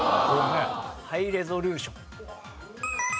ハイレゾリューション。